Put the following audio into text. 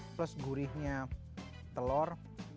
terus gurihnya telur